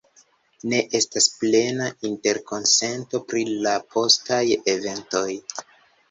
Ne estas plena interkonsento pri la postaj eventoj.